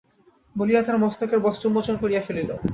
বলিয়া তাহার মস্তকের বস্ত্র উন্মোচন করিয়া ফেলিল।